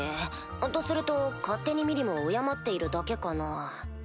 とすると勝手にミリムを敬っているだけかな？